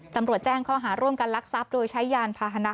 ตำรวจแจ้งข้อหาร่วมกันลักทรัพย์โดยใช้ยานพาหนะ